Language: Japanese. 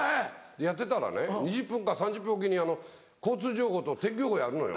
でやってたらね２０分か３０分置きに交通情報と天気予報やるのよ。